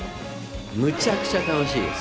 むちゃくちゃ楽しいです。